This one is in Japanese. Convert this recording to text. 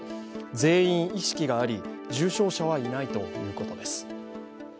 全員意識があり重症者はいないということです。